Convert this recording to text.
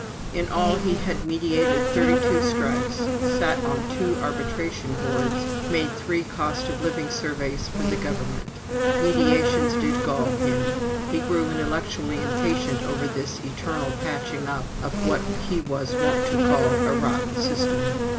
In all, he had mediated thirty two strikes, sat on two arbitration boards, made three cost of living surveys for the Government. (Mediations did gall him he grew intellectually impatient over this eternal patching up of what he was wont to call "a rotten system."